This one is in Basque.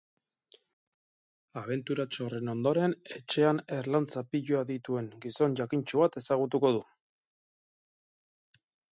Abenturatxo horren ondoren, etxean erlauntza piloa dituen gizon jakintsu bat ezagutuko du.